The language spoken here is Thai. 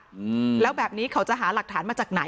อืมแล้วแบบนี้เขาจะหาหลักฐานมาจากไหน